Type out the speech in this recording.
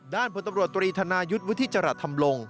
ด้านผู้ตำรวจตรีธนายุทธิจรรย์ธรรมลง